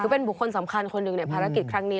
คือเป็นบุคคลสำคัญคนหนึ่งในภารกิจครั้งนี้